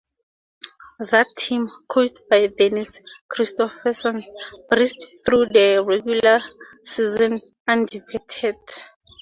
That team, coached by Dennis Christopherson, breezed through the regular season undefeated.